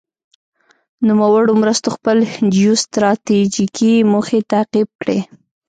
نوموړو مرستو خپل جیو ستراتیجیکې موخې تعقیب کړې.